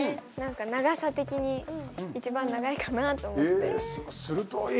長さ的に一番長いかなと思って。